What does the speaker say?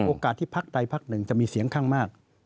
โอกาสที่พักใดพักหนึ่งจะมีเสียงข้างมาก